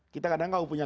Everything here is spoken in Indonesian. kita kadang kalau punya